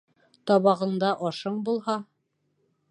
Табағыңда ашың булһа